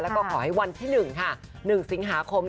แล้วก็ขอให้วันที่๑ค่ะ๑สิงหาคม